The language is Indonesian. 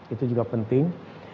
itu juga penting